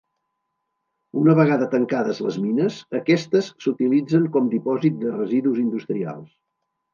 Una vegada tancades les mines, aquestes s'utilitzen com dipòsit de residus industrials.